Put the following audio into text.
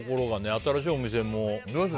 新しいお店も。